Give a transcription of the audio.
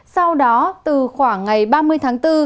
sau đó từ khoảng ngày ba mươi tháng bốn